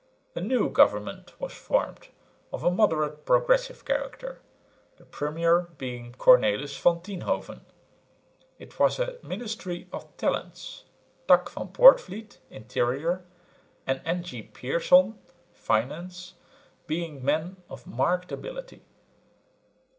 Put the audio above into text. A new government was formed of a moderate progressive character, the premier being Cornelis van Tienhoven. It was a ministry of talents, Tak van Poortvliet (interior) and N.G. Pierson (finance) being men of marked ability.